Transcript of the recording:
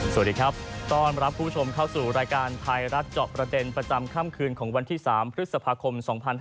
สวัสดีครับต้อนรับผู้ชมเข้าสู่รายการไทยรัฐเจาะประเด็นประจำค่ำคืนของวันที่๓พฤษภาคม๒๕๕๙